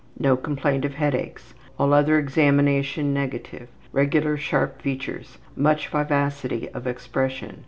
No complaint of headaches. All other examination negative. Regular sharp features. Much vivacity of expression.